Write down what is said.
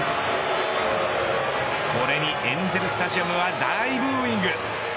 これにエンゼルスタジアムは大ブーイング。